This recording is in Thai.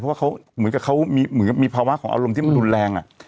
เพราะว่าเขาเหมือนกับเขาเหมือนมีภาวะของอารมณ์ที่มันรุนแรง